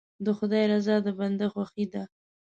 د خدای رضا د بنده خوښي ده.